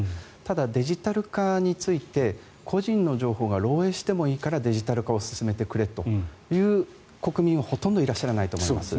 ただ、デジタル化について個人の情報が漏洩してもいいからデジタルを進めてくれという国民はほとんどいらっしゃらないと思います。